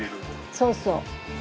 そうそう。